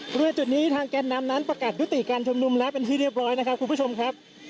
บริเวณจุดนี้ทางแกนนำนั้นประกาศยุติการชุมนุมแล้วเป็นที่เรียบร้อยนะครับคุณผู้ชมครับ